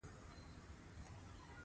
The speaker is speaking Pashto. افغانستان د تنوع کوربه دی.